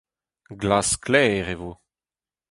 Glas-sklaer e vo.